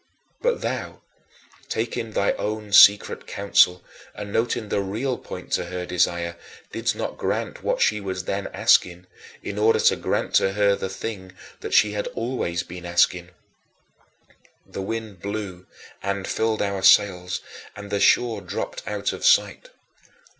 But thou, taking thy own secret counsel and noting the real point to her desire, didst not grant what she was then asking in order to grant to her the thing that she had always been asking. The wind blew and filled our sails, and the shore dropped out of sight.